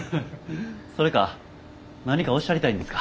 それか何かおっしゃりたいんですか？